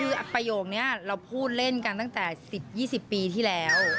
คือประโยคนี้เราพูดเล่นกันตั้งแต่๑๐๒๐ปีที่แล้ว